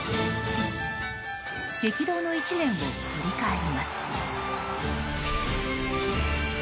激動の１年を振り返ります。